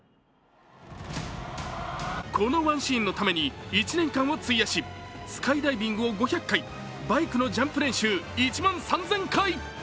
このワンシーンのために１年間を費やしスカイダイビングを５００回バイクのジャンプ練習１万３０００回！